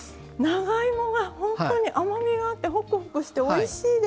長芋が本当に甘みがあってホクホクしておいしいです。